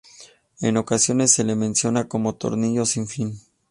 En ocasiones se le menciona como tornillo sin fin.